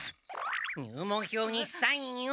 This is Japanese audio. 入門票にサインを！